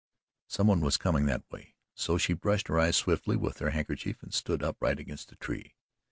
Some one was coming that way, so she brushed her eyes swiftly with her handkerchief and stood upright against the tree.